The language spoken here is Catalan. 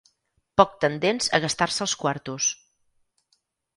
Poc tendents a gastar-se els quartos.